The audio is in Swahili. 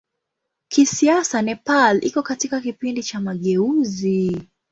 Kisiasa Nepal iko katika kipindi cha mageuzi.